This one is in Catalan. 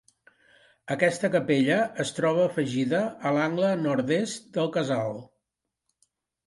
Aquesta capella es troba afegida a l'angle nord-est del casal.